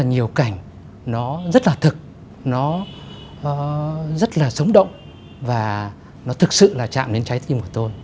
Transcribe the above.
nhiều cảnh nó rất là thực nó rất là sống động và nó thực sự là chạm đến trái tim của tôi